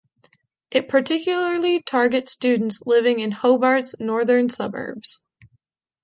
It particularly targets students living in Hobart's Northern Suburbs.